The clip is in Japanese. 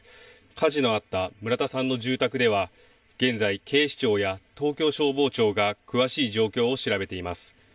火事のあった村田さんの住宅では現在、警視庁や東京消防庁が詳しい状況を調べています。